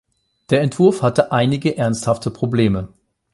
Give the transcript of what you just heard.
Der Entwurf hatte einige ernsthafte Probleme.